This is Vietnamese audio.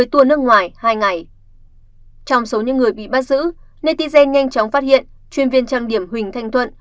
trong số những người bị bắt giữ netigen nhanh chóng phát hiện chuyên viên trang điểm huỳnh thanh thuận